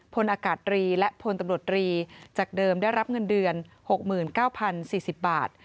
พลอากาศรีและพลตำรวจรีจากเดิมได้รับเงินเดือน๖๙๐๔๐บาท